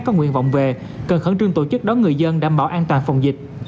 có nguyện vọng về cần khẩn trương tổ chức đón người dân đảm bảo an toàn phòng dịch